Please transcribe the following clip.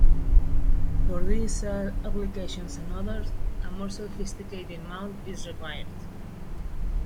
For these applications and others, a more sophisticated mount is required.